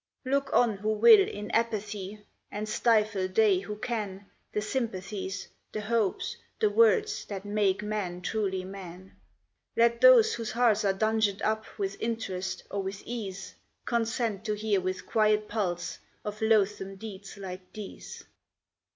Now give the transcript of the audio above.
Look on who will in apathy, and stifle they who can, The sympathies, the hopes, the words, that make man truly man; Let those whose hearts are dungeoned up with interest or with ease Consent to hear with quiet pulse of loathsome deeds like these!